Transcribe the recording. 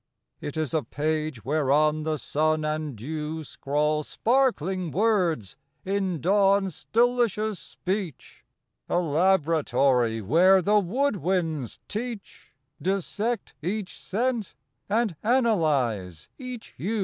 It is a page whereon the sun and dew Scrawl sparkling words in dawn's delicious speech; A laboratory where the wood winds teach, Dissect each scent and analyze each hue.